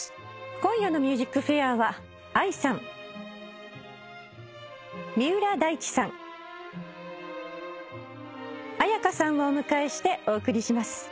今夜の『ＭＵＳＩＣＦＡＩＲ』は。をお迎えしてお送りします。